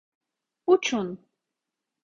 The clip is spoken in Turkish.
Uçun!